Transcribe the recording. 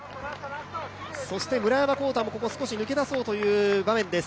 村山紘太も少し抜け出そうという場面です。